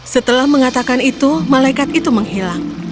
setelah mengatakan itu malaikat itu menghilang